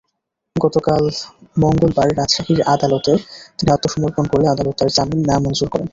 গতকাল মঙ্গলবার রাজশাহীর আদালতে তিনি আত্মসমর্পণ করলে আদালত তাঁর জামিন নামঞ্জুর করেন।